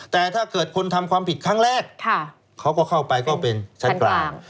แต่ถ้าเกิดคนทำความผิดครั้งแรกเขาก็เข้าไปก็เป็นชั้นกลาง